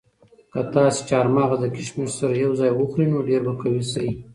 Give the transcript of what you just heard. که تاسي چهارمغز له کشمشو سره یو ځای وخورئ نو ډېر به قوي شئ.